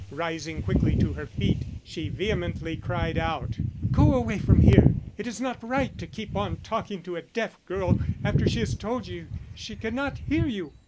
Rising quickly to her feet, she vehemently cried out: "Go away from here. It is not right to keep on talking to a deaf girl after she has told you she cannot hear you."